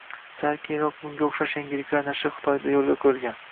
sal keyinroq bunga o‘xshash yangiliklar nashri Xitoyda yo‘lga qo‘yilgan.